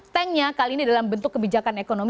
tanknya kali ini dalam bentuk kebijakan ekonomi